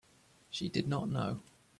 She did not know.